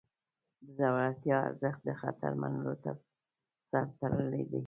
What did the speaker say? د زړورتیا ارزښت د خطر منلو سره تړلی دی.